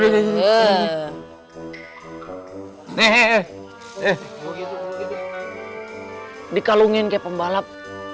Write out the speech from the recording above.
nih eh eh eh dikalungin ke pembalap